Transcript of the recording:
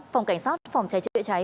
phòng cảnh sát phòng cháy chữa cháy